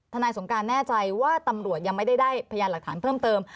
นายสงการแน่ใจว่าตำรวจยังไม่ได้ได้พยานหลักฐานเพิ่มเติม